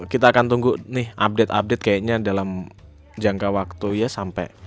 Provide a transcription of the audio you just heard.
kita akan tunggu nih update update kayaknya dalam jangka waktu ya sampai